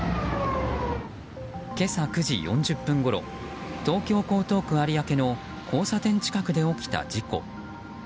今朝９時４０分ごろ東京・江東区有明の交差点近くで起きた事故。